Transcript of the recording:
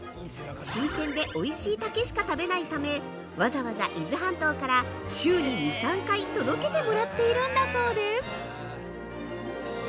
新鮮でおいしい竹しか食べないためわざわざ伊豆半島から週に２３回届けてもらっているんだそうです。